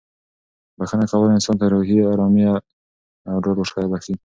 بښنه کول انسان ته روحي ارامي او ډاډ وربښي.